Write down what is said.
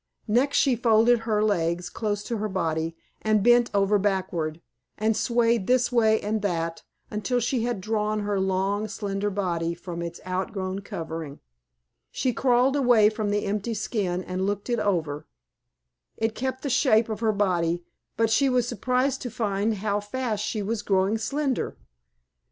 Next she folded her legs close to her body, and bent over backward, and swayed this way and that, until she had drawn her long, slender body from its outgrown covering. [Illustration: SHE SWAYED THIS WAY AND THAT. Page 146] She crawled away from the empty skin and looked it over. It kept the shape of her body, but she was surprised to find how fast she was growing slender.